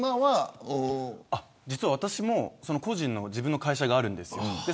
実は私も個人の会社があるんですよ。